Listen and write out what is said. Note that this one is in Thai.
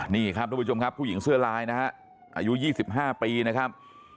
นี่ครับทุกผู้ชมครับผู้หญิงเสื้อลายนะฮะอายุ๒๕ปีนะครับ